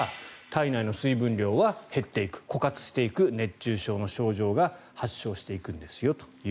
体内の水分量は減っていく枯渇していく、熱中症の症状が発症していくんですよと。